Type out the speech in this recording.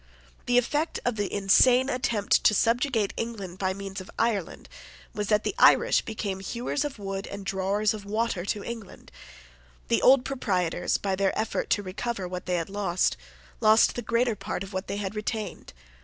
The effect of the insane attempt to subjugate England by means of Ireland was that the Irish became hewers of wood and drawers of water to the English. The old proprietors, by their effort to recover what they had lost, lost the greater part of what they had retained.